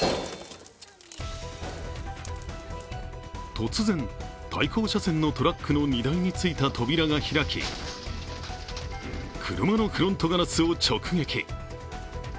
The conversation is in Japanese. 突然、対向車線のトラックの荷台についた扉が開き車のフロントガラスを直撃。